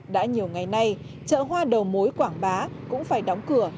đã nhiều ngày nay chợ hoa đầu mối quảng bá cũng phải đóng cửa